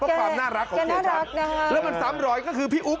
เพราะความน่ารักของเสียชัตรย์และมันสำรอยก็คือพี่อุ๊บ